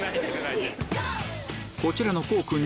こちらのコウくん